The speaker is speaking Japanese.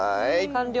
完了。